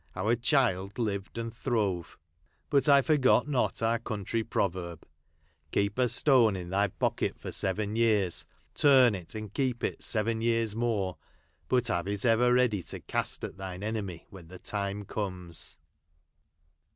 Our child lived and throve. But I, forgot not our country pro verb :" Keep a stone in thy pocket for seven years : turn it, and keep it seven years more ; but have it ever ready to cast at thine enemy when the time comes."